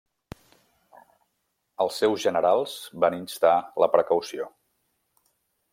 Els seus generals van instar la precaució.